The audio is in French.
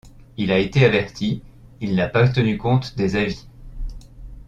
Il a été averti, il n’a pas tenu compte des avis.